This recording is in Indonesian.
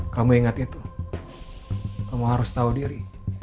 kamu ingat itu kamu harus tahu diri